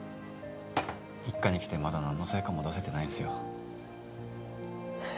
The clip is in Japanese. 一課に来てまだ何の成果も出せてないんですよ